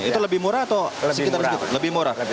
itu lebih murah atau sekitar lebih murah